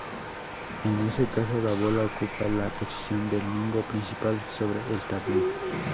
En ese caso la bola ocupa la posición del mingo principal sobre el tablón.